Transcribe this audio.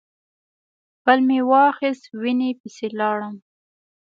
پل مې واخیست وینې پسې لاړم.